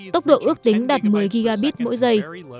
tốc độ ước tính đạt một mươi gigabit mỗi giây